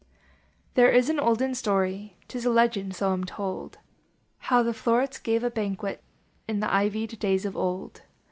l. There is an olden story, Tis a legend, so I m told, How the flowerets gave a banquet, In the ivied days of old.